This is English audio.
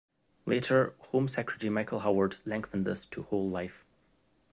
Later Home Secretary Michael Howard lengthened this to "whole life".